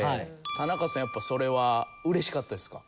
田中さんやっぱそれはうれしかったですか？